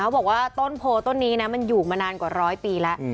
บอกว่าต้นโพต้นนี้นะมันอยู่มานานกว่าร้อยปีแล้ว